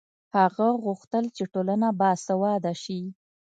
هغه غوښتل چې ټولنه باسواده شي.